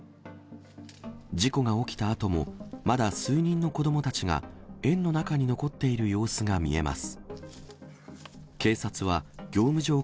事故が起きたあとも、まだ数人の子どもたちが園の中に残っている様子が見えます。